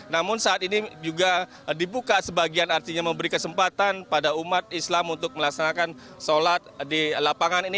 namun saat ini juga dibuka sebagian artinya memberi kesempatan pada umat islam untuk melaksanakan sholat di lapangan ini